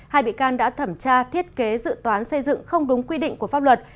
hai bị can đã thẩm tra thiết kế dự toán xây dựng không đúng quy định của pháp luật